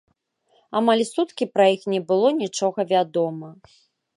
Амаль суткі пра іх не было нічога вядома.